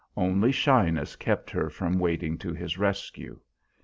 Only shyness kept her from wading to his rescue.